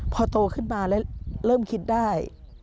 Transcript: พอโตขึ้นมาแล้วเริ่มคิดได้